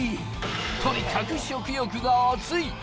とにかく食欲がアツい！